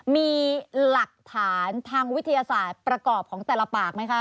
มีหลักฐานทางวิทยาศาสตร์ประกอบของแต่ละปากไหมคะ